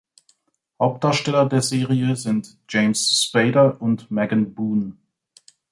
Hauptdarsteller der Serie sind James Spader und Megan Boone.